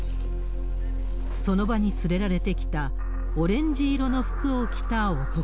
その場に連れられてきた、オレンジ色の服を着た男。